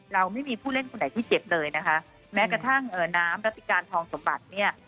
เราไม่มีผู้เล่นคนไหนที่เจ็บเลยนะคะแม้กระทั่งน้ำรัติการทองสมบัติเนี่ย